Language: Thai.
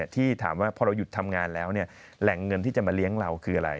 ที่ถามว่าพอเราหยุดทำงานแล้วแหล่งเงินที่จะมาเลี้ยงเราคืออะไร